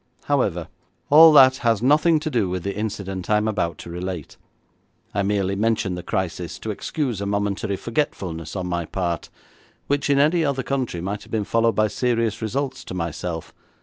However, all that has nothing to do with the incident I am about to relate. I merely mention the crisis to excuse a momentary forgetfulness on my part which in any other country might have been followed by serious results to myself.